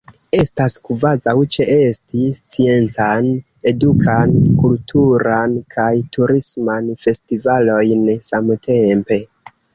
Estas kvazaŭ ĉeesti sciencan, edukan, kulturan kaj turisman festivalojn samtempe.